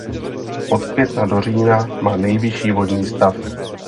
Od května do října má nejvyšší vodní stav.